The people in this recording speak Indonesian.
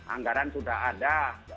anggaran sudah ada